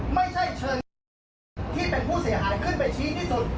ไม่ใช่เชิญคนที่เป็นผู้เสียหายขึ้นไปชี้ที่สุด